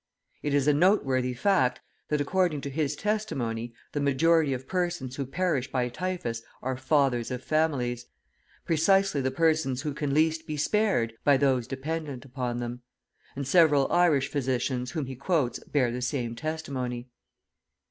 It is a noteworthy fact, that according to his testimony, the majority of persons who perish by typhus are fathers of families, precisely the persons who can least be spared by those dependent upon them; and several Irish physicians whom he quotes bear the same testimony.